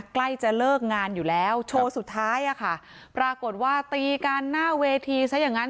ใกล้จะเลิกงานอยู่แล้วโชว์สุดท้ายอะค่ะปรากฏว่าตีกันหน้าเวทีซะอย่างนั้น